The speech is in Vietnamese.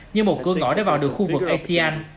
như một cơ ngõ để vào được khu vực asean